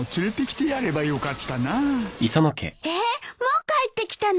ええっもう帰ってきたの！？